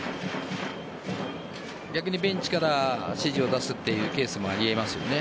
逆にベンチから指示を出すというケースもありえますよね